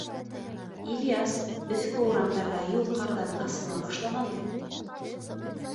— Ильяс, өҫкө урамдарҙа юл ҡарҙан асыла башлаған бит.